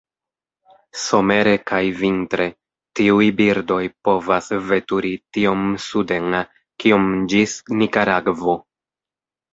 Somere kaj vintre, tiuj birdoj povas veturi tiom suden kiom ĝis Nikaragvo.